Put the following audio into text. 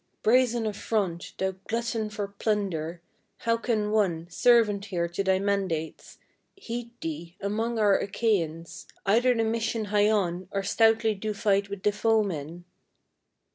brazen of front, thou glutton for plunder, how can one, Servant here to thy mandates, heed thee among our Achaians, Either the mission hie on or stoutly do fight with the foemen?